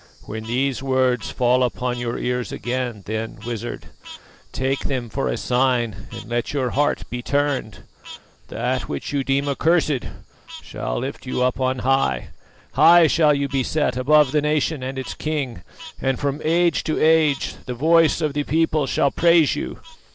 When these words fall upon your ears again, then, Wizard, take them for a sign and let your heart be turned. That which you deem accursed shall lift you up on high. High shall you be set above the nation and its king, and from age to age the voice of the people shall praise you.